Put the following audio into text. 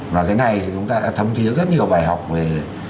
và cái này thì chúng ta đã thấm thiết rất nhiều bài học về